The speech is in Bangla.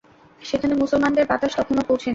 সেখানে মুসলমানদের বাতাস তখনও পৌঁছেনি।